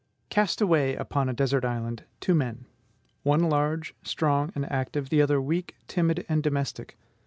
Cast away upon a desert island two men: one large, strong, and active; the other weak, timid, and domestic.